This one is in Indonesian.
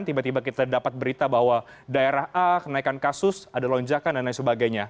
tiba tiba kita dapat berita bahwa daerah a kenaikan kasus ada lonjakan dan lain sebagainya